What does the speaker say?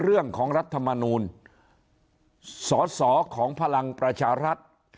เรื่องของรัฐมนูญสอดสอของพลังประชารัฐ